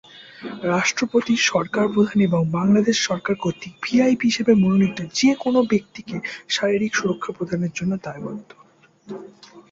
রাষ্ট্রপতি, সরকার প্রধান এবং বাংলাদেশ সরকার কর্তৃক ভিআইপি হিসাবে মনোনীত যে কোনও ব্যক্তিকে শারীরিক সুরক্ষা প্রদানের জন্য দায়বদ্ধ।